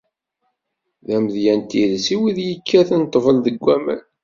D amedya n tidet i wid yekkaten ṭṭbel deg waman.